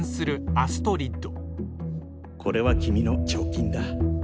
アストリッド！